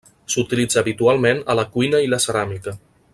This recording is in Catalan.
S'utilitza habitualment a la cuina i la ceràmica.